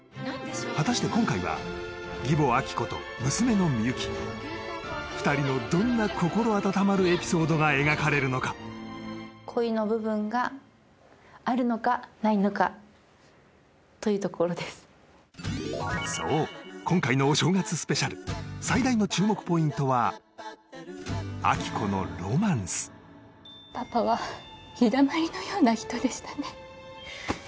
果たして今回は義母・亜希子と娘のみゆき２人のどんな心温まるエピソードが描かれるのか恋の部分があるのかないのかというところですそう今回のお正月スペシャル最大の注目ポイントは亜希子のロマンスパパは日だまりのような人でしたね